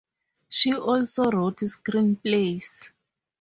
She also wrote screenplays.